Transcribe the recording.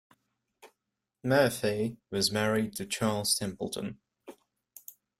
Murphy was married to Charles Templeton.